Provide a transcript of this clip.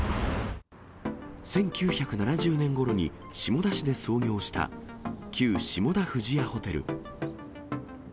１９７０年ごろに下田市で創業した、旧下田富士屋ホテル。